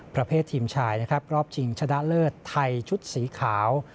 ประเภททีมชายนะครับรอบชิงชนะเลิศไทยชุดสีขาว